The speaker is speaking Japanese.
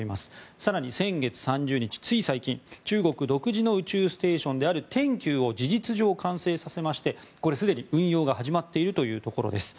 更に先月３０日つい最近中国独自の宇宙ステーションである天宮を事実上完成させましてこれ、すでに運用が始まっているというところです。